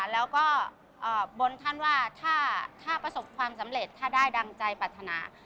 แล้วก็บนท่านว่าถ้าประสบความสำเร็จถ้าได้ดังใจปรัฐนา